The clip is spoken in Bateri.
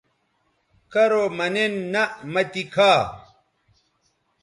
کرو مہ نِن نہ مہ تی کھا